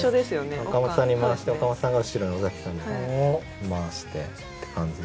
岡本さんに回して岡本さんが後ろの尾崎さんに回してって感じですよね。